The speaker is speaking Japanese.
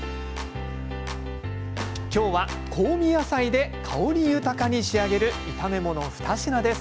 今日は香味野菜で香り豊かに仕上げる炒め物２品です。